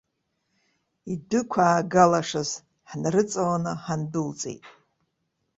Идәықәаагалашаз ҳнарыҵаланы ҳандәылҵит.